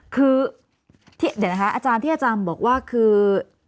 คือเดี๋ยวนะคะอาจารย์ที่อาจารย์บอกว่าคือ